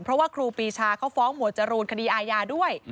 เพราะว่าครูปีชาเขาฟ้องหมวดจรูนคดีอาญาด้วย